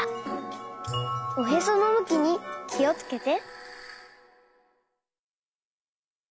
おへそのむきにきをつけて。